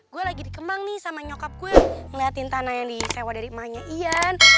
gue lagi di kemang nih sama nyokap gue ngeliatin tanah yang disewa dari emaknya ian